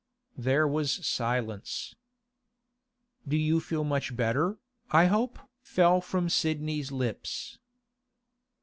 There was silence. 'You do feel much better, I hope?' fell from Sidney's lips.